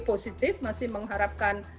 positif masih mengharapkan